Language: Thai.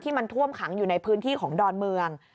มันท่วมขังอยู่ในพื้นที่ของดอนเมือง